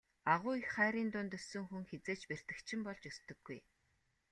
Агуу их хайрын дунд өссөн хүн хэзээ ч бэртэгчин болж өсдөггүй.